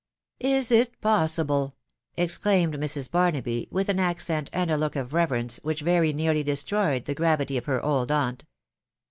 " Is it possible !" exclaimed Mrs. Barnaby, with an accent and a look of reverence, which very nearly destroyed the gra vity of her old aunt.